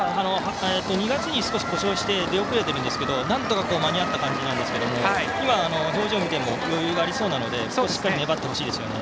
２月に故障して出遅れているんですけどなんとか間に合ったんですが表情を見ると余裕ありそうなのでしっかり粘ってほしいですね。